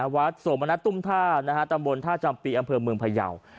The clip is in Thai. สมณัฐตุ้มท่าตำบลท่าจำปีอำเภอเมืองพยาว